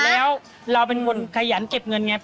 แล้วเราเป็นคนขยันเก็บเงินไง